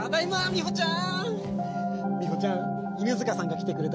みほちゃん。